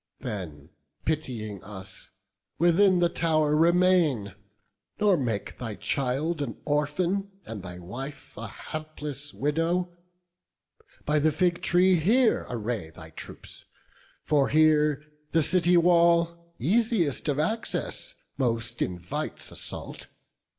Then pitying us, within the tow'r remain, Nor make thy child an orphan, and thy wife A hapless widow; by the fig tree here Array thy troops; for here the city wall, Easiest of access, most invites assault.